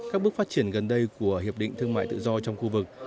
các bước phát triển gần đây của hiệp định thương mại tự do trong khu vực